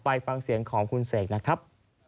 ไปฟังเสียงของคุณเสกนะครับ